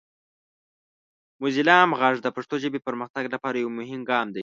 موزیلا عام غږ د پښتو ژبې پرمختګ لپاره یو مهم ګام دی.